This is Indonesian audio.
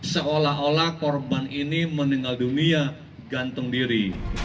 seolah olah korban ini meninggal dunia gantung diri